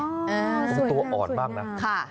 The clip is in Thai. สวยหน้าสวยหน้าตัวอ่อนมากนะ